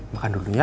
makan dulu ya